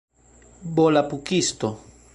volapukisto